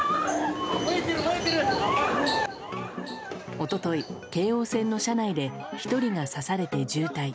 一昨日、京王線の車内で１人が刺されて重体。